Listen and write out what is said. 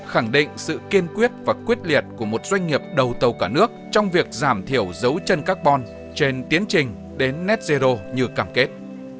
khẳng định sự kiên quyết và quyết liệt của một doanh nghiệp đầu tàu cả nước trong việc giảm thiểu dấu chân carbon trên tiến trình đến net zero như cảm kết